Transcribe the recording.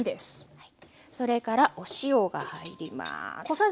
それからお塩が入ります。